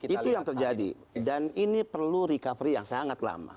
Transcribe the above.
itu yang terjadi dan ini perlu recovery yang sangat lama